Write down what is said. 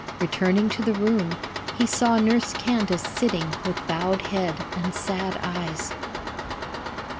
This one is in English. Returning to the room, he saw Nurse Candace sitting with bowed head and sad eyes.